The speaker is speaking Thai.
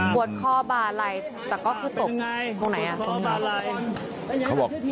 ปวดคอบาไรแต่ก็ครูตบตรงไหน